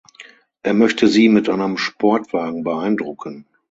Er möchte sie mit einem Sportwagen beeindrucken.